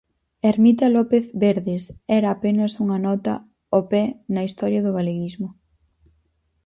Ermita López Verdes era apenas unha nota ao pé na historia do galeguismo.